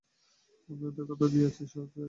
আমি ওদের কথা দিয়েছি, তুই আসবি।